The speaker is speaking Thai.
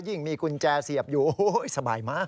มีกุญแจเสียบอยู่โอ้โหสบายมาก